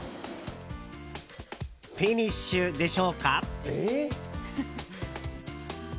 フィニッシュでしょうか？